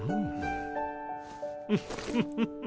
ウフフフ